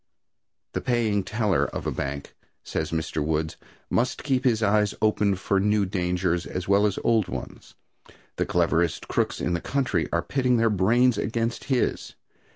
The paying teller of a bank, says Mr. Woods, must keep his eyes open for new dangers as well as old ones. The cleverest crooks in the country are pitting their brains against his.